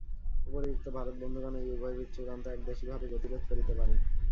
উপরিউক্ত ভারত বন্ধুগণ এই উভয়বিধ চূড়ান্ত একদেশী ভাবে, গতিরোধ করিতে পারেন।